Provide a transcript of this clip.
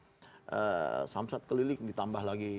kemudian samsat keliling ditambah lagi